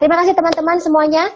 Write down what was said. terima kasih teman teman semuanya